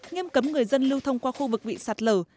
nghiêm cấm người dân lưu thông qua khu vực bị sạt lở